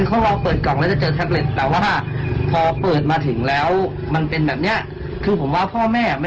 โอว์ช่วงนี้ดังนะ